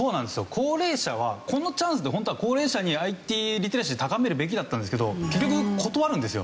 高齢者はこのチャンスでホントは高齢者にＩＴリテラシー高めるべきだったんですけど結局断るんですよ。